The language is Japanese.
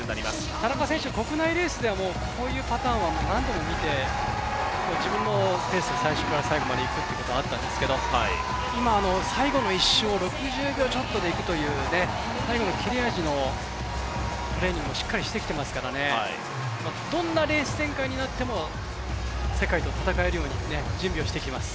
田中選手、国内レースではこういうケースは何度も見て、自分のペースで最初から最後まで行く形なんですが今、最後の１周を６０秒ちょっとでいくという最後のキレ味のトレーニングをしっかりしてきていますからどんなレース展開になっても世界と戦えるよう準備をしてきています。